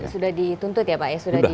sudah dituntut ya pak ya